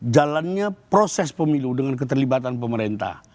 jalannya proses pemilu dengan keterlibatan pemerintah